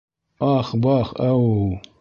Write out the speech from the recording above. Ах-бах-әүү!